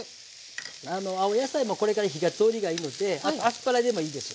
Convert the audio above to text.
青野菜もこれから火が通りがいいのであとアスパラでもいいです。